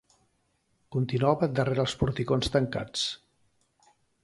Continuava darrere els porticons tancats